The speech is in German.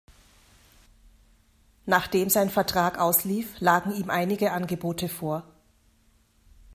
Nachdem sein Vertrag auslief, lagen ihm einige Angebote vor.